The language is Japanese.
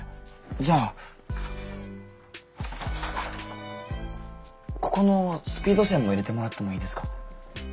じゃあここのスピード線も入れてもらってもいいですか？